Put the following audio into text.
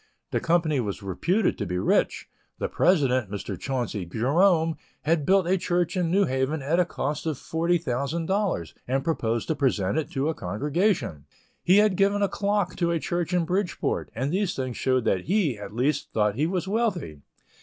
The company was reputed to be rich; the President, Mr. Chauncey Jerome, had built a church in New Haven, at a cost of $40,000, and proposed to present it to a congregation; he had given a clock to a church in Bridgeport, and these things showed that he, at least, thought he was wealthy.